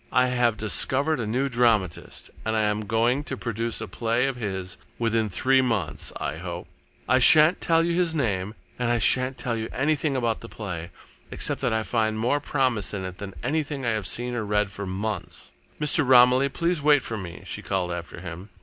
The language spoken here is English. I have discovered a new dramatist, and I am going to produce a play of his within three months, I hope. I shan't tell you his name and I shan't tell you anything about the play, except that I find more promise in it than anything I have seen or read for months. Mr. Romilly, please wait for me," she called after him.